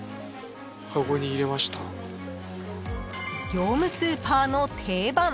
［業務スーパーの定番］